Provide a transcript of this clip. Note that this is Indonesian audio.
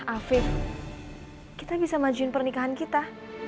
afif kita bisa majuin pernikahan kita